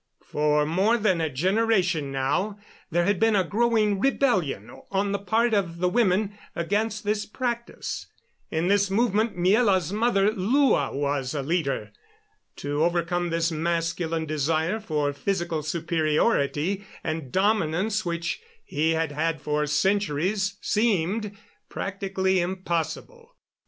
For more than a generation now there had been a growing rebellion on the part of the women against this practice. In this movement Miela's mother, Lua, was a leader. To overcome this masculine desire for physical superiority and dominance which he had had for centuries seemed practically impossible.